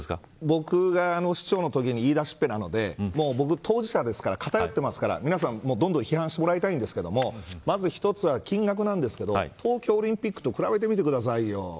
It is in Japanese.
僕が市長のときに言い出しっぺなので僕は当事者ですから偏ってますから皆さん、どんどん批判してもらいたいんですけどまず１つは金額なんですけど東京オリンピックと比べてみてください。